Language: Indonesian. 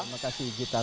terima kasih gita